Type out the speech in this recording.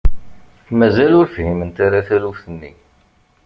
Mazal ur fhiment ara taluft-nni.